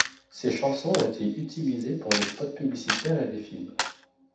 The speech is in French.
Ses chansons ont été utilisées pour des spots publicitaires et des films.